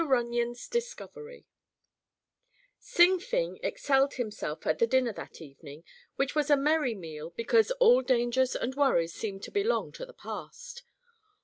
RUNYON'S DISCOVERY Sing Fing excelled himself at the dinner that evening, which was a merry meal because all dangers and worries seemed to belong to the past.